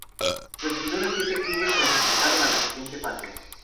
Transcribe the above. Los primeros siete clubes clasificaron a la siguiente fase.